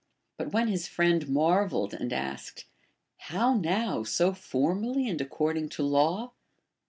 Il But when his friend marvelled and asked, How now, so formally and according to law"?